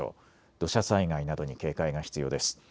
土砂災害などに警戒が必要です。